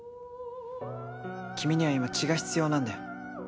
君には今血が必要なんだよ。